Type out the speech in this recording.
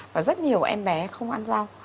và rất nhiều em bé không ăn rau